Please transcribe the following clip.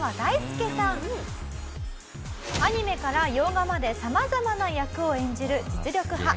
アニメから洋画までさまざまな役を演じる実力派。